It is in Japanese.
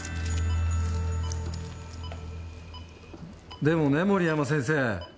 でもね森山先生。